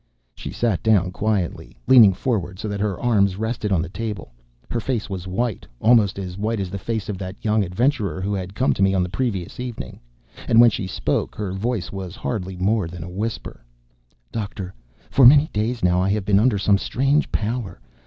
She sat down quietly, leaning forward so that her arms rested on the table. Her face was white, almost as white as the face of that young adventurer who had come to me on the previous evening. And when she spoke, her voice was hardly more than a whisper. "Doctor, for many days now I have been under some strange power.